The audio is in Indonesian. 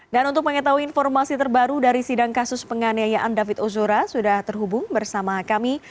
dan untuk mengetahui informasi terbaru dari sidang kasus penganiayaan david uzura sudah terhubung bersama kami